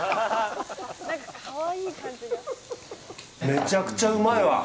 めちゃくちゃうまいわ！